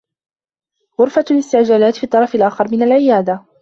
غرفة الاستعجالات في الطّرف الآخر من العيادة.